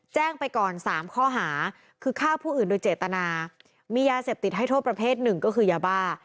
แจ้งไปก่อน๓ข้อหาคือฆ่าผู้อื่นโดยเจตนามียาเสพติดให้โทษประเภทหนึ่งก็คือยาบ้า